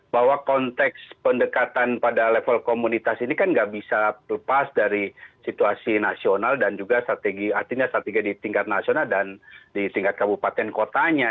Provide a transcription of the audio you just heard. bahwa konteks pendekatan pada level komunitas ini kan nggak bisa lepas dari situasi nasional dan juga strategi artinya strategi di tingkat nasional dan di tingkat kabupaten kotanya